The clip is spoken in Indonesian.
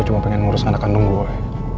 gue cuma pengen nguruskan anak kandung gue